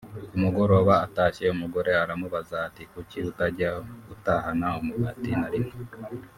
ku mugoroba atashye umugore aramubaza ati “Kuki utajya utahana umugati na rimwe